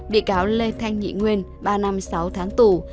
bị cáo lê thanh nhị nguyên ba năm sáu tháng tù